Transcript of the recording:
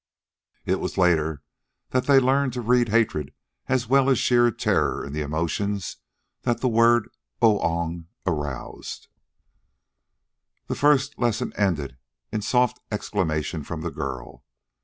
It was later that they learned to read hatred as well as sheer terror in the emotions that the word Oong aroused. The first lesson ended in a soft exclamation from the girl.